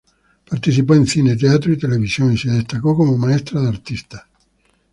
Participó en cine, teatro y televisión y se destacó como maestra de artistas.